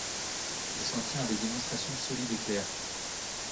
Il s'en tient à des démonstrations solides et claires.